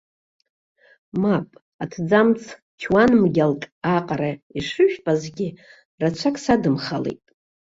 Мап, аҭӡамц чуанмгьалк аҟара ишыжәпазгьы, рацәак садымхалеит.